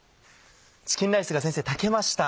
チキンライスが先生炊けました。